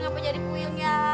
ngapain jadi puyeng ya